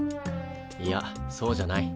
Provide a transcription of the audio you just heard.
いやそうじゃない。